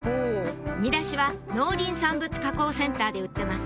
煮出しは農林産物加工センターで売っています